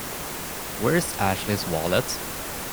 Where's Ashley's wallet?